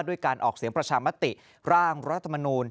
การออกเสียงประชามติร่างรัฐมนูล